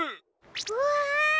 うわ！